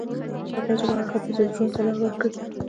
خوږه ژبه هغه ده چې زړونو ته لار وکړي.